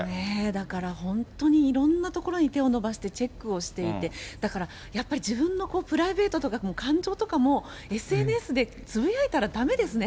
だから本当にいろんなところに手を伸ばして、チェックをしていて、だから、やっぱり自分のプライベートとか感情とかも、ＳＮＳでつぶやいたらだめですね。